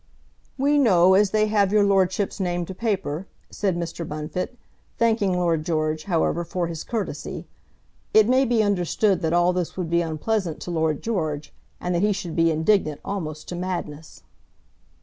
"We know as they have your lordship's name to paper," said Mr. Bunfit, thanking Lord George, however, for his courtesy. It may be understood that all this would be unpleasant to Lord George, and that he should be indignant almost to madness.